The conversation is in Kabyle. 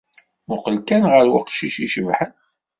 Mmuqqel kan ɣer uqcic i icebḥen.